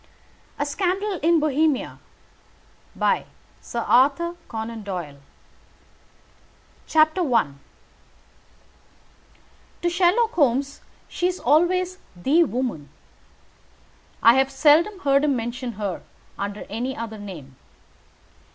V A SCANDAL IN BOHEMIA A. CONAN DOYLE I To Sherlock Holmes she is always the woman. I have seldom heard him mention her under any other name.